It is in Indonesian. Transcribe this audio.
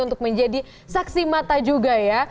untuk menjadi saksi mata juga ya